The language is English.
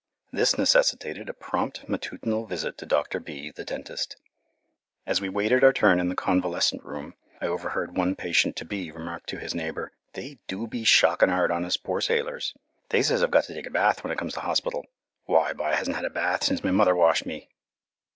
This necessitated a prompt matutinal visit to Dr. B., the dentist. As we waited our turn in the Convalescent Room, I overheard one patient to be remark to his neighbour, "They do be shockin' hard on us poor sailors. They says I've got to take a bath when I comes into hospital. Why, B'y, I hasn't had a bath since my mother washed me!"